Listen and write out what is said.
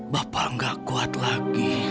bapak enggak kuat lagi